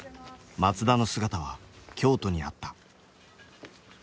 松田の姿は京都にあった。